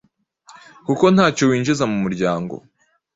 kuko ntacyo winjiza mu muryango.